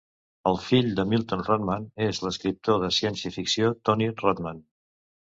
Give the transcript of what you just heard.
El fil de Milton Rothman és l'escriptor de ciència ficció Tony Rothman.